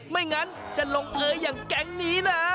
ไม่งั้นจะลงเอยอย่างแก๊งนี้นะ